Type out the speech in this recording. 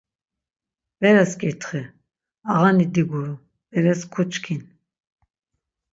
Beres ǩitxi. Ağani diguru, beres kuçkin.